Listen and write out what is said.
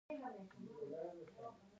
خو په دې سره ژوند نه تأمین کیده.